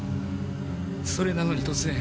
それなのに突然。